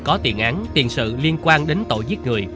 có tiền án tiền sự liên quan đến tội giết người